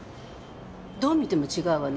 どう見ても違うわね。